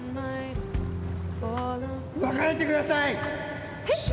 別れてくださいへっ？